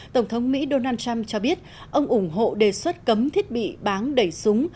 tổng thống mỹ donald trump cho biết ông ủng hộ đề xuất cấm thiết bị bán đẩy súng